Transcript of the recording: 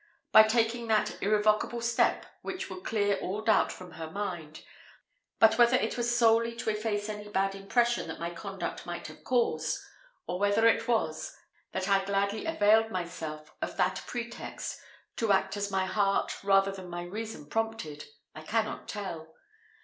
By taking that irrevocable step, which would clear all doubt from her mind. But whether it was solely to efface any bad impression that my conduct might have caused, or whether it was, that I gladly availed myself of that pretext to act as my heart rather than my reason prompted, I cannot tell.